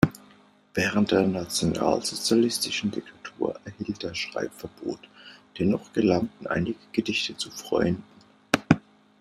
Während der nationalsozialistischen Diktatur erhielt er Schreibverbot, dennoch gelangten einige Gedichte zu Freunden.